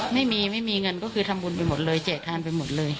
ไม่มีไม่มีเงินก็คือทำบุญไปหมดเลยแจกทานไปหมดเลย